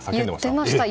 言ってました。